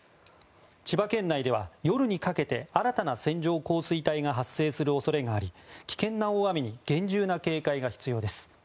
千葉県内では夜にかけて新たな線状降水帯が発生する恐れがあり危険な大雨に厳重な警戒が必要です。